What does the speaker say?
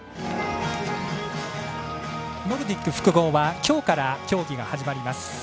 ノルディック複合はきょうから競技が始まります。